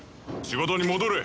仕事に戻れ。